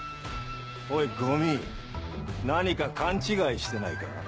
おいゴミ何か勘違いしてないか？